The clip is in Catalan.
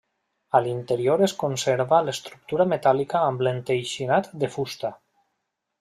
A l'interior es conserva l'estructura metàl·lica amb l'enteixinat de fusta.